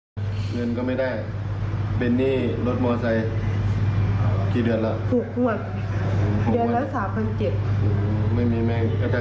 ตอนนี้รายได้หลักหลักของเราคืออะไรรายได้หลักเราหรอ